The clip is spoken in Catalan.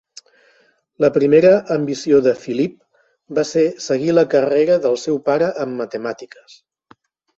La primera ambició de Filip va ser seguir la carrera del seu pare en matemàtiques.